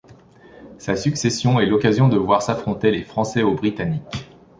Sa succession est l'occasion de voir s'affronter les Français aux Britanniques.